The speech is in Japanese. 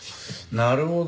なるほど。